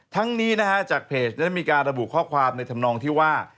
ทั้งนี้นะฮะจากเพจได้มีการระบุข้อความในธรรมนองที่ว่า